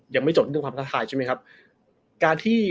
ยังไม่จบเรื่องความท้าทายใช่ไหมครับการที่